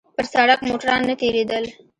پر سړک موټران نه تېرېدل.